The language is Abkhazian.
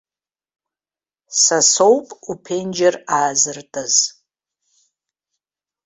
Са соуп уԥенџьыр аазыртыз.